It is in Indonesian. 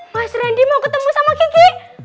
mas rendy mau ketemu sama gigi